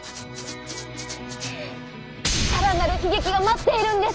さらなる悲劇が待っているんです。